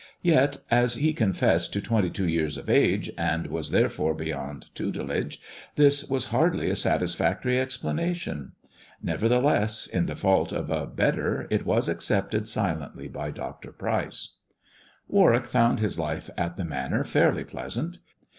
Yet as he confessed to twenty two years of age, and was therefore beyond tutelage, this was hardly a satis factory explanation. Nevertheless, in default of a better it was accepted silently by Dr. Pryce. Warwick found his life at the Manor fairly pleasant.